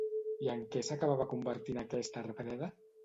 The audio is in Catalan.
I en què s'acabava convertint aquesta arbreda?